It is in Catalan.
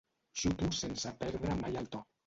Xuto sense perdre mai el to.